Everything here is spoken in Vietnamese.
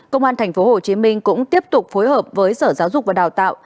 công an tp hcm cũng tiếp tục phối hợp với sở giáo dục và đào tạo